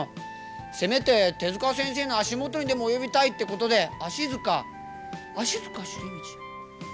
せめて手先生の足元にでも及びたいってことで足塚足塚茂道。